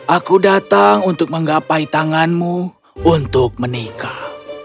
aku datang untuk menggapai tanganmu untuk menikah